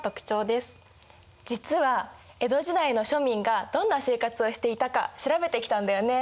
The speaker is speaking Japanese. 実は江戸時代の庶民がどんな生活をしていたか調べてきたんだよね。